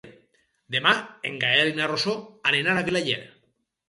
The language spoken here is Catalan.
Demà en Gaël i na Rosó aniran a Vilaller.